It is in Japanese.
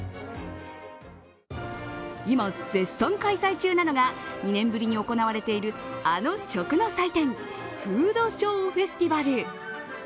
今、絶賛開催中なのが、２年ぶりに行われているあの食の祭典、フードショーフェスティバル。